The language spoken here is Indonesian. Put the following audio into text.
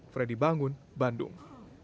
freddy bangun bandung